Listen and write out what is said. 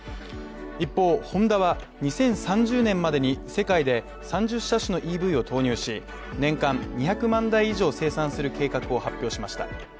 一方、ホンダは２０３０年までに世界で３０車種のＥＶを投入し年間２００万台以上生産する計画を発表しました。